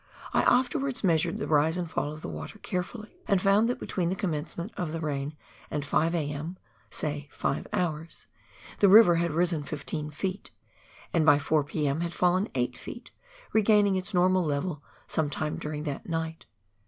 I afterwards measured the rise and fall of the water carefully, and found that between the commencement of the rain and 5 a.m. (say five hours) the river had risen 15 ft., and by 4 p.m. had fallen 8 ft., regaining its normal level some time during that night.